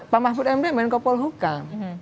pak mahfud md main kopol hukam